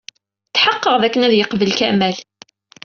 Tḥeqqeɣ d akken ad yeqbel Kamal.